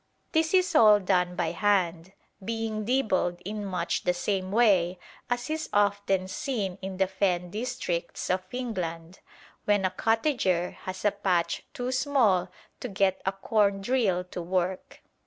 This is all done by hand, being dibbled in much the same way as is often seen in the Fen districts of England, when a cottager has a patch too small to get a corndrill to work.